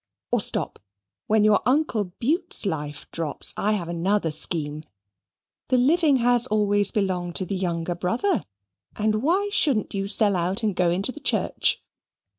or, stop, when your uncle Bute's life drops, I have another scheme. The living has always belonged to the younger brother, and why shouldn't you sell out and go into the Church?"